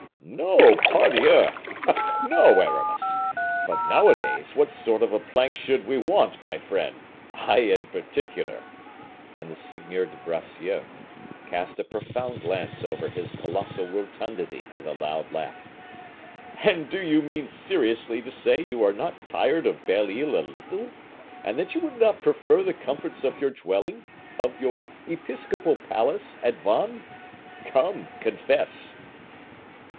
"No, pardieu! No, Aramis. But, nowadays, what sort of a plank should we want, my friend! I, in particular." And the Seigneur de Bracieux cast a profound glance over his colossal rotundity with a loud laugh. "And do you mean seriously to say you are not tired of Belle Isle a little, and that you would not prefer the comforts of your dwelling of your episcopal palace, at Vannes? Come, confess."